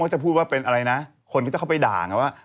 จะพูดว่าเป็นอะไรนะคนก็จะเข้าไปด่าไงว่า